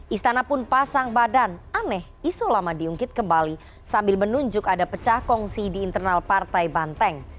istana pun pasang badan aneh isu lama diungkit kembali sambil menunjuk ada pecah kongsi di internal partai banteng